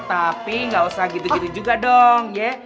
tapi nggak usah gitu gitu juga dong ya